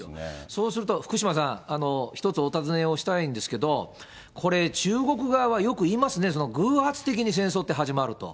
そうすると、福島さん、一つお尋ねをしたいんですけれども、これ、中国側はよく言いますね、偶発的に戦争って始まると。